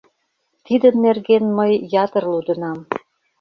Тидын нерген мый ятыр лудынам.